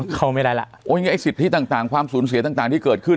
เข้าไม่ได้ล่ะโอ้ยไงไอ้สิทธิต่างความสูญเสียต่างที่เกิดขึ้น